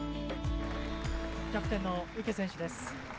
キャプテンの池選手です。